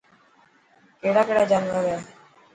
ڪهڙا ڪهڙا جانور هي.